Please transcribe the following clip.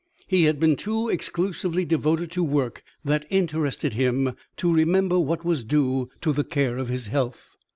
He had been too exclusively devoted to work that interested him to remember what was due to the care of his health.